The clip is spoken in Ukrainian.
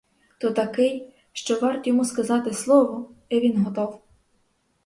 То такий, що варт йому сказати слово — і він готов.